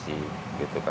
ini untuk apa